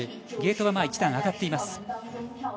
ゲートは１上がっています。